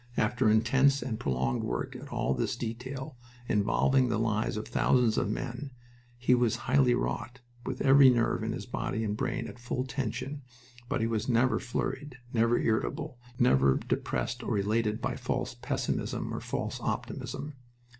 After intense and prolonged work at all this detail involving the lives of thousands of men, he was highly wrought, with every nerve in his body and brain at full tension, but he was never flurried, never irritable, never depressed or elated by false pessimism or false optimism.